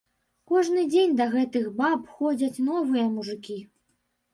Кожны дзень да гэтых баб ходзяць новыя мужыкі.